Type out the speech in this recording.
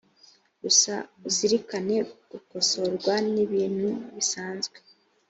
gusa uzirikane gukosorwa ni ibintu bisanzwe